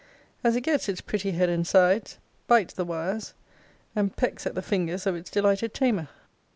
As it gets its pretty head and sides, bites the wires, and pecks at the fingers of its delighted tamer.